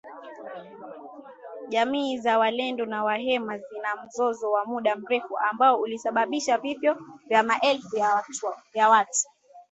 Jamii za walendu na wahema zina mzozo wa muda mrefu ambao ulisababisha vifo vya maelfu ya watu.